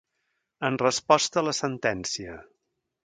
En resposta a la sentència.